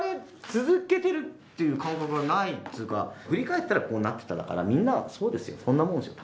続けてるっていう感覚がないっつうか振り返ったらこうなってただからみんなそうですよそんなもんですよ